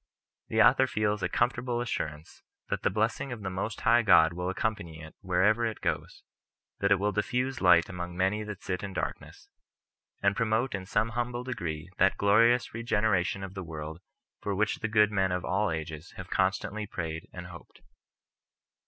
The author feels a comfortable assurance that the blessing of the Most High God will accompany it wherever it goes, that it will diffuse light among many that sit in darkness, and promote in some humble degree that glorious regeneration of the world for which the good men of all ages have constantly prayed and hoped.